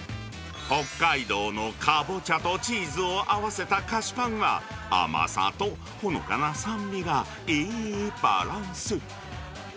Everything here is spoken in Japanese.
北海道のかぼちゃとチーズを合わせた菓子パンは、甘さとほのかな酸味がいいバランス。